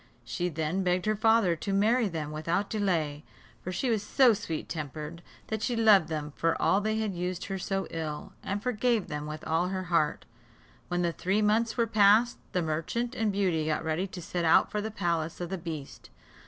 She then begged her father to marry them without delay; for she was so sweet tempered, that she loved them for all they had used her so ill, and forgave them with all her heart. When the three months were past, the merchant and Beauty got ready to set out for the palace of the beast.